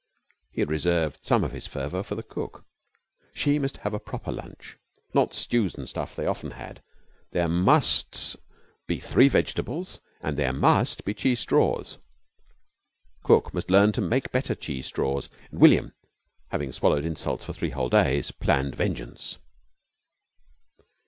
He had reserved some of his fervour for the cook. She must have a proper lunch not stews and stuff they often had there must be three vegetables and there must be cheese straws. Cook must learn to make better cheese straws. And William, having swallowed insults for three whole days, planned vengeance.